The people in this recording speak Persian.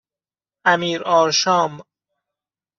امیرآرشام